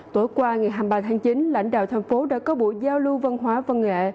tối qua ngày hai mươi ba tháng chín lãnh đạo thành phố đã có buổi giao lưu văn hóa văn nghệ